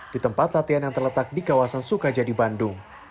di tempat latihan yang terletak di kawasan sukajadi bandung